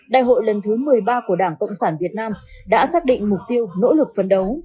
đại hội lần thứ một mươi ba của đảng cộng sản việt nam đã xác định mục tiêu nỗ lực phấn đấu